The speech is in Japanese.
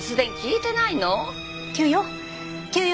急用？